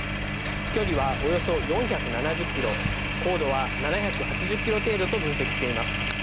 飛距離はおよそ４７０キロ、高度は７８０キロ程度と分析しています。